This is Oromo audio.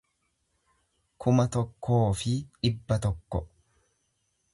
kuma tokkoo fi dhibba tokko